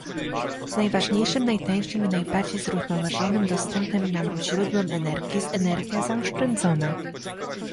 najważniejszym, najtańszym i najbardziej zrównoważonym dostępnym nam źródłem energii jest energia zaoszczędzona